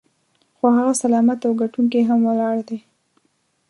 خو هغه سلامت او ګټونکی هم ولاړ دی.